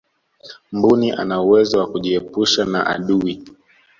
mbuni ana uwezo wa kujiepusha na adui